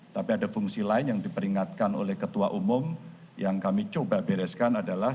tapi ada fungsi lain yang diperingatkan oleh ketua umum yang kami coba bereskan adalah